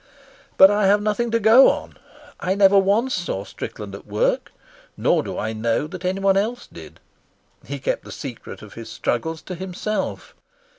But I have nothing to go on. I never once saw Strickland at work, nor do I know that anyone else did. He kept the secret of his struggles to himself.